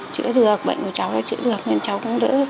chữa được bệnh của cháu là chữa được nên cháu cũng đỡ được